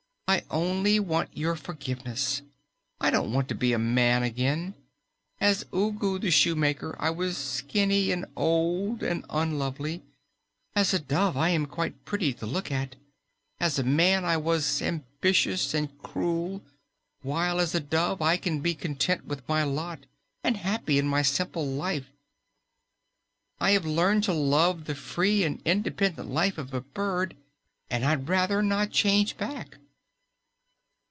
"I only want your forgiveness. I don't want to be a man again. As Ugu the Shoemaker I was skinny and old and unlovely. As a dove I am quite pretty to look at. As a man I was ambitious and cruel, while as a dove I can be content with my lot and happy in my simple life. I have learned to love the free and independent life of a bird, and I'd rather not change back."